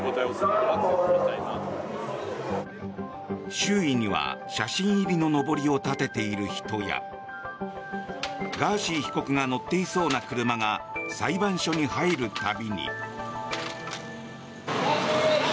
周囲には、写真入りののぼりを立てている人やガーシー被告が乗っていそうな車が裁判所に入る度に。